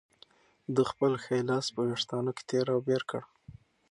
ده خپل ښی لاس په وېښتانو کې تېر او بېر کړ.